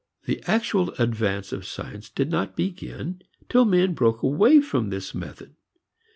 The actual advance of science did not begin till men broke away from this method.